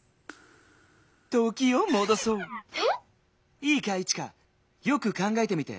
いいかいイチカよくかんがえてみて。